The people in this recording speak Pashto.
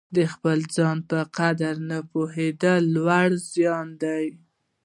د خپل ځان په قدر نه پوهېدل لوی زیان دی.